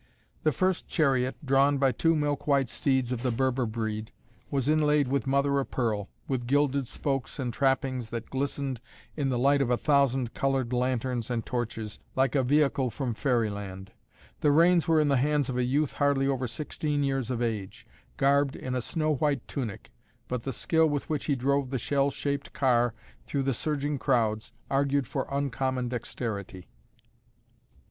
The first chariot, drawn by two milk white steeds of the Berber breed, was inlaid with mother of pearl, with gilded spokes and trappings that glistened in the light of a thousand colored lanterns and torches, like a vehicle from fairyland. The reins were in the hands of a youth hardly over sixteen years of age, garbed in a snow white tunic, but the skill with which he drove the shell shaped car through the surging crowds argued for uncommon dexterity.